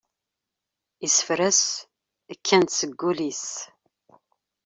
Isefra-s kkan-d seg wul-is.